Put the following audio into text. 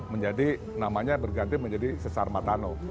menjadi namanya berganti menjadi sesar matano